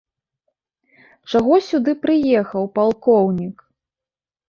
Чаго сюды прыехаў палкоўнік?